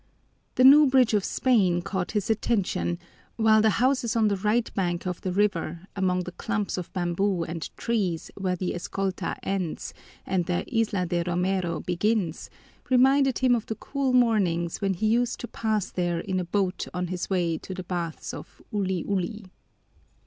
The new Bridge of Spain caught his attention, while the houses on the right bank of the river among the clumps of bamboo and trees where the Escolta ends and the Isla de Romero begins, reminded him of the cool mornings when he used to pass there in a boat on his way to the baths of Uli Uli.